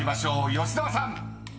吉澤さん］